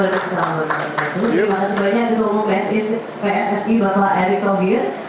terima kasih banyak banyak untuk pssi bapak ericko here